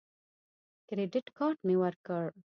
کریډټ کارت مې ورکړ.